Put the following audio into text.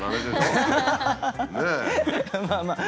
まあまあ